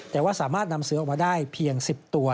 แต่ว่าสามารถนำเสือออกมาได้เพียง๑๐ตัว